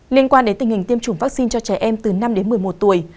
liên quan đến tình hình tiêm chủng vaccine cho trẻ em từ năm đến một mươi một tuổi